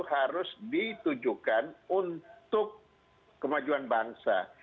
harus ditujukan untuk kemajuan bangsa